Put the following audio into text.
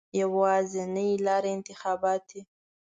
یوازینۍ لاره انتخابات دي.